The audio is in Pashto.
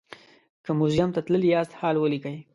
که موزیم ته تللي یاست حال ولیکئ.